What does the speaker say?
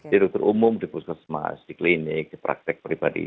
di dokter umum di pusat masjid di klinik di praktek pribadi